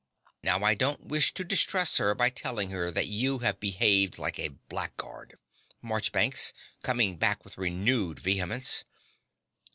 Now I don't wish to distress her by telling her that you have behaved like a blackguard. MARCHBANKS (Coming back with renewed vehemence).